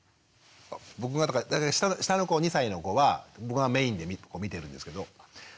下の子２歳の子は僕がメインで見てるんですけど。